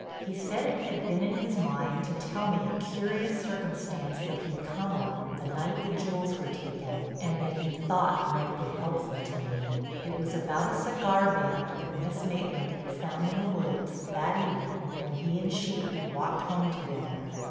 He said it had been in his mind to tell me a curious circumstance that he'd come on the night the jewels were taken and that he thought might be helpful to me. It was about a cigar band that Miss Maitland had found in the woods that evening when he and she had walked home together.